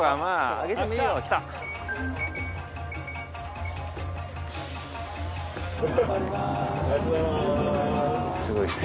ありがとうございます。